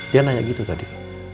dia nanya gitu tadi